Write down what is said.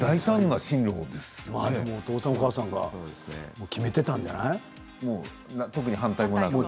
お父さん、お母さんが決めてたんですね。